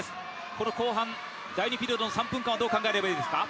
この後半、第３ピリオドはどう考えればいいですか？